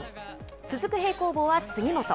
続く平行棒は、杉本。